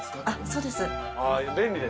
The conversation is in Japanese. そうです。